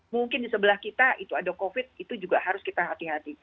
mungkin di sebelah kita itu ada covid itu juga harus kita hati hati